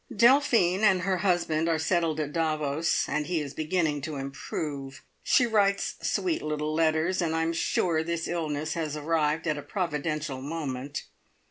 Delphine and her husband are settled at Davos, and he is beginning to improve. She writes sweet little letters, and I'm sure this illness has arrived at a providential moment.